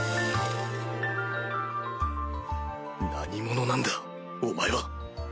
何者なんだお前は。